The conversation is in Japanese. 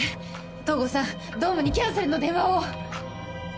東郷さんドームにキャンセルの電話を。